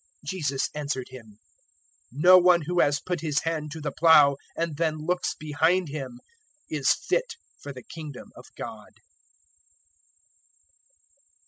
009:062 Jesus answered him, "No one who has put his hand to the plough, and then looks behind him, is fit for the Kingdom of God.